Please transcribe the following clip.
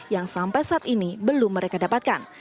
yang sampai saat ini belum mereka dapatkan